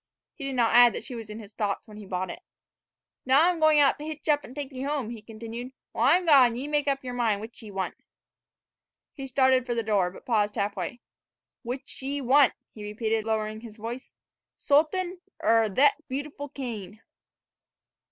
He did not add that she was in his thoughts when he bought it. "Now I'm going out to hitch up an' take ye home," he continued. "While I'm gone, ye make up yer mind which ye want " He started for the door, but paused half way. " which ye want," he repeated, lowering his voice, "Sultan er thet beautiful cane?"